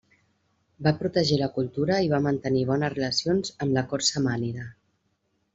Va protegir la cultura i va mantenir bones relacions amb la cort samànida.